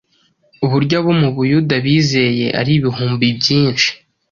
uburyo abo mu Bayuda bizeye ari ibihumbi byinshi,